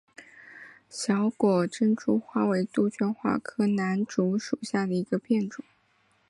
小果珍珠花为杜鹃花科南烛属下的一个变种。